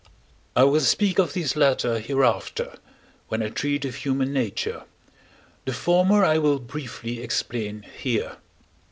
I will speak of these latter hereafter, when I treat of human nature; the former I will briefly explain here.